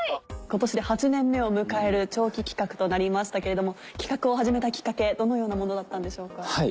今年で８年目を迎える長期企画となりましたけれども企画を始めたきっかけどのようなものだったんでしょうか？